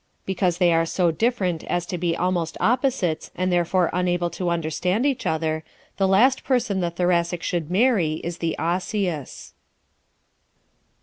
Because they are so different as to be almost opposites, and therefore unable to understand each other, the last person the Thoracic should marry is the Osseous.